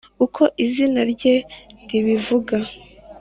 uko izina rye ribivuga,